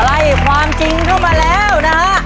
อะไรความจริงทั่วไปแล้วนะฮะ